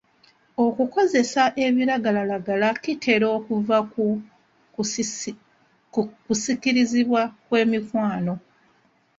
Okukozesa ebiragalalagala kitera kuva ku kusikirizibwa kw'emikwano.